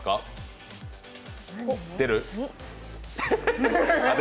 出る？